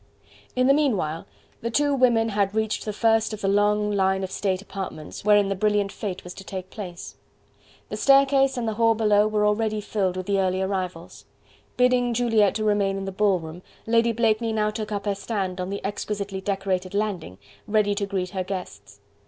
In the meanwhile the two women had reached the first of the long line of state apartments wherein the brilliant fete was to take place. The staircase and the hall below were already filled with the early arrivals. Bidding Juliette to remain in the ballroom, Lady Blakeney now took up her stand on the exquisitely decorated landing, ready to greet her guests.